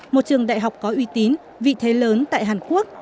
một trường đại học có uy tín vị thế lớn tại hàn quốc